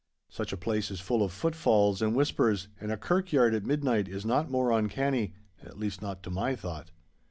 Such a place is full of footfalls and whispers, and a kirkyard at midnight is not more uncanny, at least not to my thought.